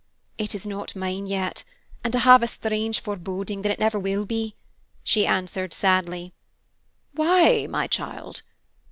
"It is not mine yet, and I have a strange foreboding that it never will be," she answered sadly. "Why, my child?"